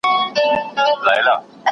حقوقي قوانین باید په ټولو یو ډول پلي سي.